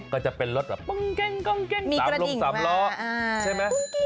ก็จะเป็นรถแบบมีกระดิ่งแบบ